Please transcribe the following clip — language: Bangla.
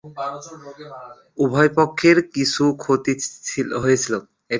উভয় পক্ষের কিছু ক্ষতি হয়েছিল।